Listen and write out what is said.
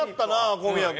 小宮君も。